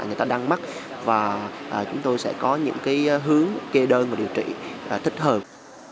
người ta đang mắc và chúng tôi sẽ có những hướng kê đơn và điều trị thích hợp